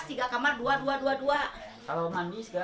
di kamar mandi ada di belakang